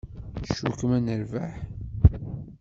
Tcukkem ad nerbeḥ?